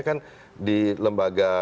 kan di lembaga